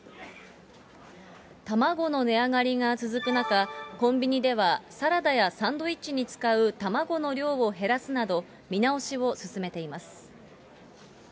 卵の値上がりが続く中、コンビニではサラダやサンドイッチに使う卵の量を減らすなど、見直しを進めています。